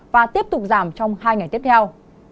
và tiếp tục giảm trong hai ngày tiếp theo